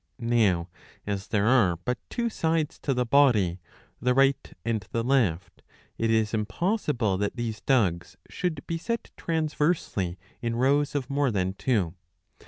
Now as there are but two sides to the body, the right and the left, it is impossible that these dugs should be sfet transversely in* rows of more than two.